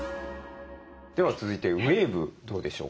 では続いてウエーブどうでしょうか？